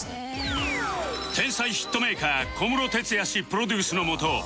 天才ヒットメーカー小室哲哉氏プロデュースのもと